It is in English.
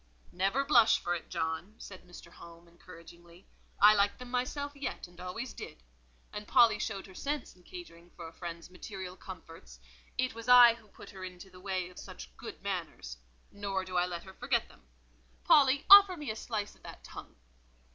"Never blush for it, John," said Mr. Home, encouragingly. "I like them myself yet, and always did. And Polly showed her sense in catering for a friend's material comforts: it was I who put her into the way of such good manners—nor do I let her forget them. Polly, offer me a small slice of that tongue."